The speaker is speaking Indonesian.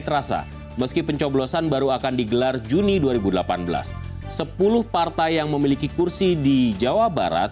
terasa meski pencoblosan baru akan digelar juni dua ribu delapan belas sepuluh partai yang memiliki kursi di jawa barat